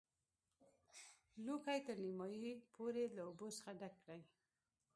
لوښی تر نیمايي پورې له اوبو څخه ډک کړئ.